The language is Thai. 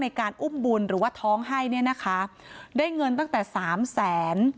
ในการอุ้มบุญหรือว่าท้องให้เนี่ยนะคะได้เงินตั้งแต่สามแสน